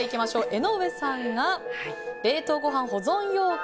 江上さんが、冷凍ごはん保存容器。